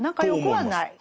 はい。